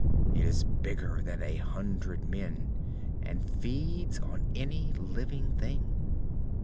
It is bigger than a hundred men and feeds on any living thing."